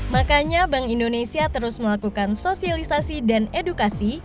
makanya bank indonesia terus melakukan sosialisasi dan edukasi